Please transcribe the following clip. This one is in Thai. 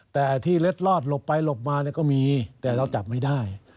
แต่ที่เล็ดลอดหลบไปหลบมาก็มีแต่เราจับไม่ได้